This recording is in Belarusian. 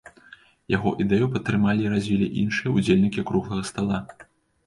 Яго ідэю падтрымалі і развілі іншыя ўдзельнікі круглага стала.